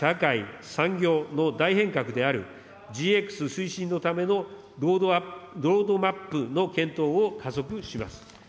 年末に向け、経済・社会・産業の大変革であるＧＸ推進のためのロードマップの検討を加速します。